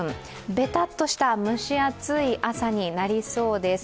ベタッとした蒸し暑い朝になりそうです。